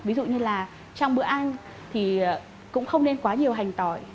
ví dụ như là trong bữa ăn thì cũng không nên quá nhiều hành tỏi